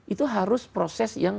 itu harus proses yang